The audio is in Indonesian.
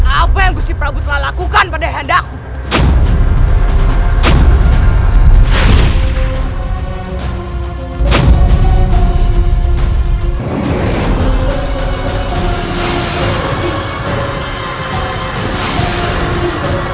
apa yang si prabu telah lakukan pada handaku